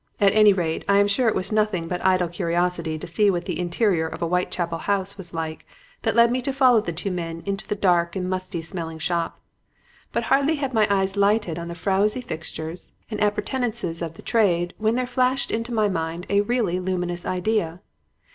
At any rate, I am sure it was nothing but idle curiosity to see what the interior of a Whitechapel house was like that led me to follow the two men into the dark and musty smelling shop. But hardly had my eyes lighted on the frowsy fixtures and appurtenances of the trade when there flashed into my mind a really luminous idea.